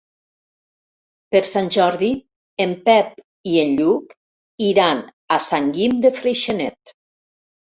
Per Sant Jordi en Pep i en Lluc iran a Sant Guim de Freixenet.